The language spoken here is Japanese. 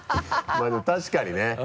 まぁでも確かにね。